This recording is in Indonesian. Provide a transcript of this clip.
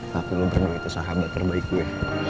tapi lo bener itu sahabat terbaik gue